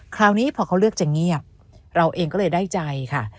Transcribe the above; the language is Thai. คราวนี้พอเขาเลือกจะเงียบเราเองก็เลยได้ใจค่ะ